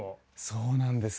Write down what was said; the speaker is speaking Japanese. そうなんですね。